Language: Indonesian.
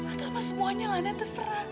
atau sama semuanya nenek terserah